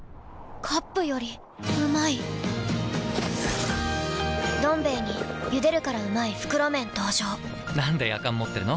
カップよりうまい「どん兵衛」に「ゆでるからうまい！袋麺」登場なんでやかん持ってるの？